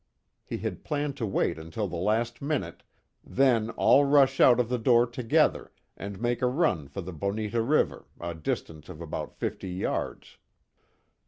He had planned to wait until the last minute, then all rush out of the door together, and make a run for the Bonita river, a distance of about fifty yards.